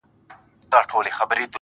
شپه كي هم خوب نه راځي جانه زما,